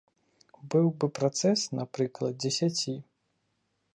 Быў бы працэс, напрыклад, дзесяці.